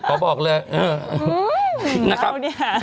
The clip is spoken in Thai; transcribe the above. ขอบอกเลยนะครับอ้าวเนี่ย